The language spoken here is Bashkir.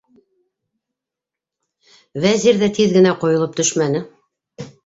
Вәзир ҙә тиҙ генә ҡойолоп төшмәне: